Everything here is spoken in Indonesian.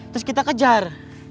terus kita kejar